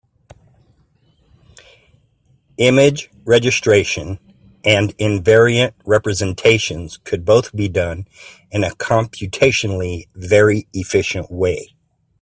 Image registration and invariant representations could both be done in a computationally very efficient way.